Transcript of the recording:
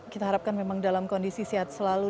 kita harapkan memang dalam kondisi sehat selalu